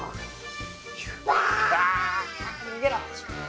逃げろ。